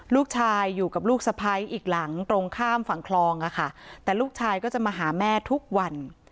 ลูกชายอยู่กับลูกสะพ้ายอีกหลังตรงข้ามฝั่งคลองอะค่ะแต่ลูกชายก็จะมาหาแม่ทุกวัน